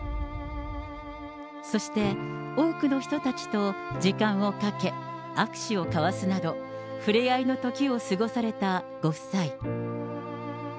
そして、多くの人たちと時間をかけ、握手を交わすなど、ふれあいの時を過ごされたご夫妻。